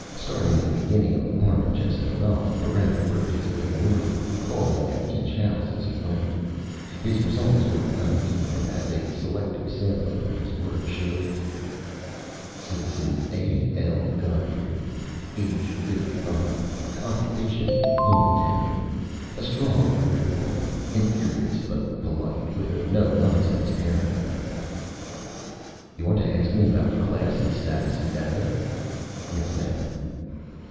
Starting at the beginning of Orange Esplanade, Barrent worked his way northward, calling at each house as he went. His results were uneven, as a selective sampling of his work shows: (_Citizen A. L. Gotthreid, age 55, occupation home tender. A strong, erect woman, imperious but polite, with a no nonsense air about her._) "You want to ask me about class and status? Is that it?" "Yes, ma'am."